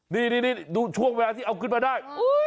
นี่ดูช่วงเวลาที่เอาขึ้นมาได้